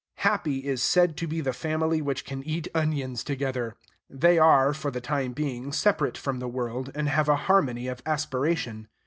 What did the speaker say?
Happy is said to be the family which can eat onions together. They are, for the time being, separate from the world, and have a harmony of aspiration.